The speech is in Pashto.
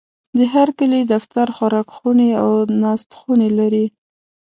د هرکلي دفتر، خوراکخونې او ناستخونې لري.